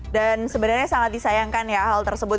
dan sebenarnya sangat disayangkan ya hal tersebut